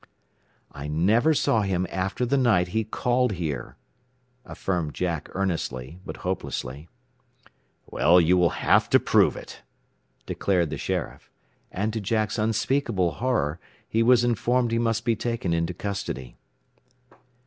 "I never saw him after the night he called here," affirmed Jack earnestly, but hopelessly. "Well, you will have to prove it," declared the sheriff. And to Jack's unspeakable horror he was informed he must be taken into custody.